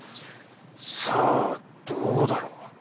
さあどうだろう。